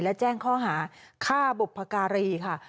และแจ้งข้อหาฆ่าบุพการีค่ะ